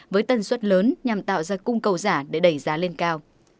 với tần suất lớn nhằm tạo ra cung cầu giả để đẩy giá lên cao